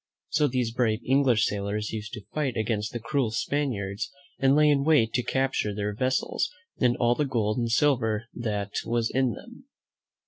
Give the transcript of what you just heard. So these brave English sailors used to fight against the cruel Spaniards and lay in wait to capture their vessels and all the gold and silver that was in them.